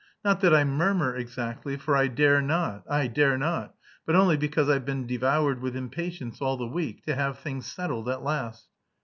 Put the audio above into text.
Not that I murmur exactly; for I dare not, I dare not, but only because I've been devoured with impatience all the week... to have things settled at last."